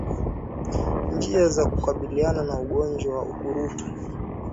Njia za kukabiliana na ugonjwa wa ukurutu